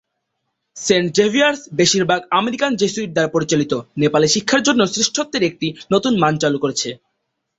Saint Xavier's, বেশিরভাগ American Jesuit দ্বারা পরিচালিত, নেপালে শিক্ষার জন্য শ্রেষ্ঠত্বের একটি নতুন মান চালু করেছে।